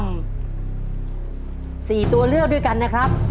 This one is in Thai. กิโลกรัมสี่ตัวเลือกด้วยกันนะครับ